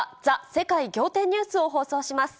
世界仰天ニュースを放送します。